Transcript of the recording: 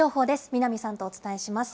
南さんとお伝えします。